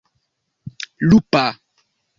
lupa